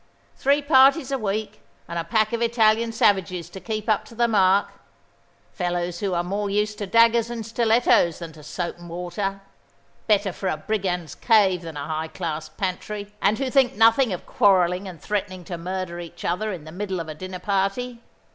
Three parties a week, and a pack of Italian savages to keep up to the mark; fellows who are more used to daggers and stilettos than to soap and water, better for a brigand's cave than a high class pantry, and who think nothing of quarrelling and threatening to murder each other in the middle of a dinner party.